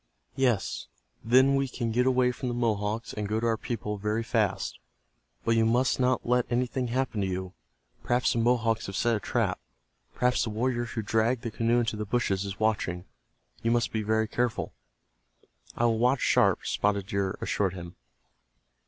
Yes, then we can get away from the Mohawks, and go to our people very fast. But you must not let anything happen to you. Perhaps the Mohawks have set a trap. Perhaps the warrior who dragged the canoe into the bushes is watching. You must be very careful." "I will watch sharp," Spotted Deer assured him.